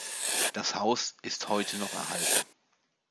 Das Haus ist heute noch erhalten.